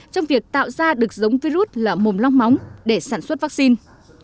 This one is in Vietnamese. trong việc tạo ra được giống virus là mồm long móng để sản xuất vaccine